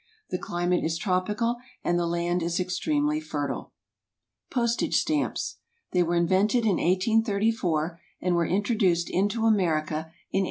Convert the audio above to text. The climate is tropical and the land is extremely fertile. =Postage Stamps.= They were invented in 1834, and were introduced into America in 1847.